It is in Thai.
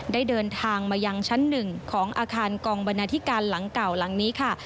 ได้เดินทางมายังชั้นหนึ่งของอาคารกองบรรณาธิการหลังเก่าหลังนี้ค่ะ